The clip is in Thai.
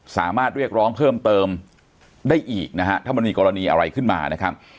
สามารถเรียกร้องเพิ่มเติมได้อีกนะฮะถ้ามันมีกรณีอะไรขึ้นมานะครับ